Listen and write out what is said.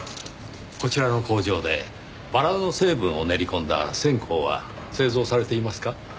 こちらの工場でバラの成分を練り込んだ線香は製造されていますか？